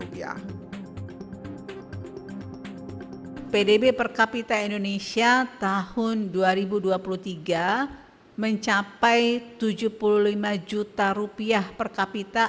pdb per kapita indonesia tahun dua ribu dua puluh tiga mencapai rp tujuh puluh lima juta per kapita